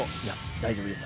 大丈夫です。